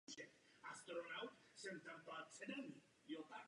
V československé lize hrál za Jednotu Trenčín a Plastiku Nitra.